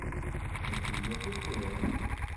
D akeyyaf i telliḍ?